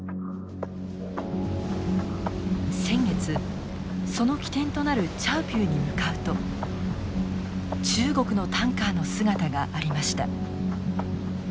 先月その起点となるチャウピューに向かうと中国のタンカーの姿がありました。